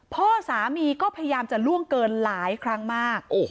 พ่อสามีก็พยายามจะล่วงเกินหลายครั้งมาก